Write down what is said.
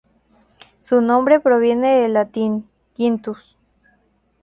Su nombre proviene del latín "quintus".